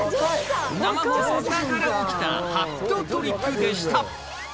すげぇ！生放送中に起きたハットトリックでした。